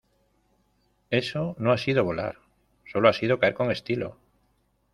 ¡ Eso no ha sido volar! ¡ sólo ha sido caer con estilo !